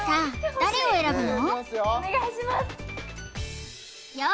誰を選ぶの？